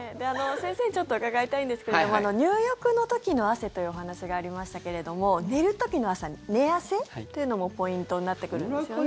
先生にちょっと伺いたいんですけれども入浴の時の汗というお話がありましたけれども寝る時の汗、寝汗というのもポイントになってくるんですね。